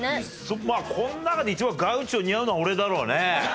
まあこの中で一番ガウチョ似合うのは俺だろうね。